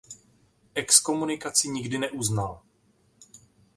Exkomunikaci nikdy neuznal.